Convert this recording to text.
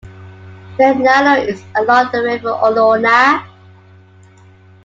Legnano is along the River Olona.